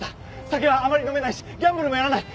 酒はあまり飲めないしギャンブルもやらない。